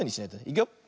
いくよ。